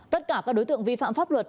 tất cả các đối tượng vi phạm pháp luật